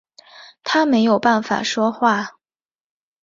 他没有办法说话